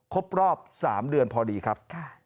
ครบรอบ๓เดือนพอดีครับ